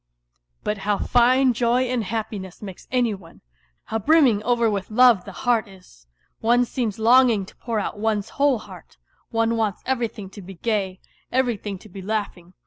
...^ But how fine joy and happiness makes any one ! How brim ming over with love the heart is ! One seems longing to pour out one's whole heart ; one wants everything to be gay, every thing to be laughing.